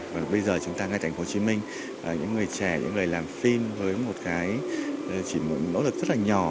và bây giờ chúng ta ngay thành phố hồ chí minh những người trẻ những người làm phim với một cái chỉ một nỗ lực rất là nhỏ